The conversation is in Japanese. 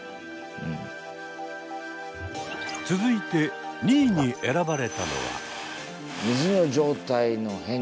続いて２位に選ばれたのは。